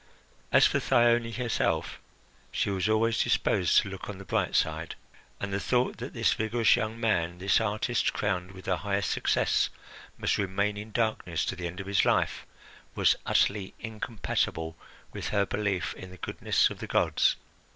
As for Thyone herself, she was always disposed to look on the bright side, and the thought that this vigorous young man, this artist crowned with the highest success, must remain in darkness to the end of his life, was utterly incompatible with her belief in the goodness of the gods.